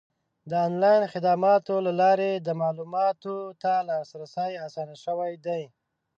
د آنلاین خدماتو له لارې د معلوماتو ته لاسرسی اسان شوی دی.